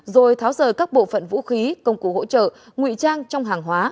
rồi tháo rời các bộ phận vũ khí công cụ hỗ trợ nguy trang trong hàng hóa